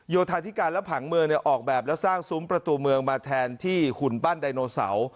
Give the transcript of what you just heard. โยธาธิการและผังเมืองออกแบบแล้วสร้างซุ้มประตูเมืองมาแทนที่หุ่นปั้นไดโนเสา